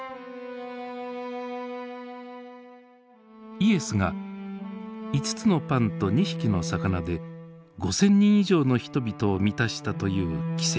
イエスが５つのパンと２匹の魚で５，０００人以上の人々を満たしたという奇跡。